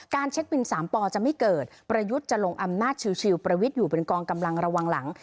เช็คบิน๓ปจะไม่เกิดประยุทธ์จะลงอำนาจชิลประวิทย์อยู่เป็นกองกำลังระวังหลัง